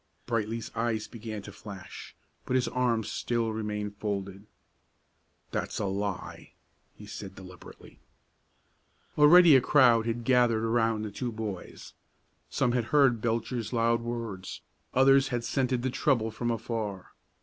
Brightly's eyes began to flash, but his arms still remained folded. "That's a lie," he said deliberately. Already a crowd had gathered around the two boys. Some had heard Belcher's loud words, others had scented the trouble from afar.